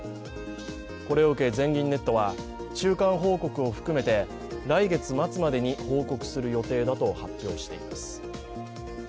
これを受け全銀ネットは、中間報告を含めて来月末までに報告する予定だと発表しています